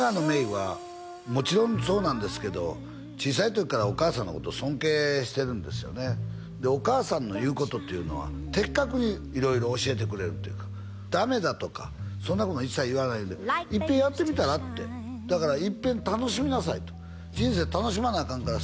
郁はもちろんそうなんですけど小さい時からお母さんのこと尊敬してるんですよねでお母さんの言うことっていうのは的確に色々教えてくれるというか「ダメだ」とかそんなもの一切言わないで「一遍やってみたら？」ってだから「一遍楽しみなさい」と「人生楽しまなアカンから」